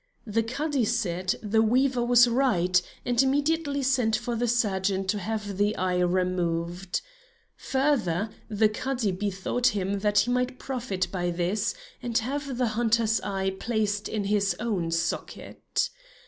The Cadi said the weaver was right, and immediately sent for the surgeon to have the eye removed. Further, the Cadi bethought him that he might profit by this and have the hunter's eye placed in his own socket.